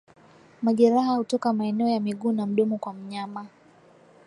Majeraha hutoka maeneo ya miguu na mdomo kwa mnyama